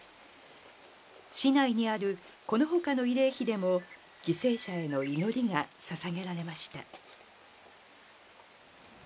市内にあるこのほかの慰霊碑でも、犠牲者への祈りがささげられました。